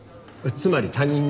つまり他人ね。